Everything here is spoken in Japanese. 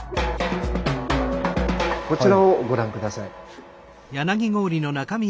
こちらをご覧下さい。